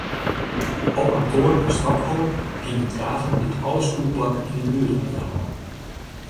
Op kantoaren yn Stockholm hingje kaarten dy’t alle skûlplakken yn ’e buert oanjouwe.